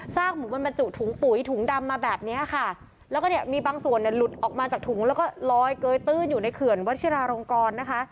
หมูมันบรรจุถุงปุ๋ยถุงดำมาแบบเนี้ยค่ะแล้วก็เนี่ยมีบางส่วนเนี่ยหลุดออกมาจากถุงแล้วก็ลอยเกยตื้นอยู่ในเขื่อนวัชิราลงกรนะคะ